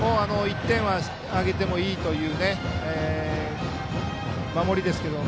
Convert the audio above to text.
１点はあげてもいいという守りですけども。